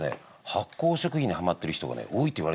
発酵食品にハマってる人が多いっていわれてるらしいんですよ。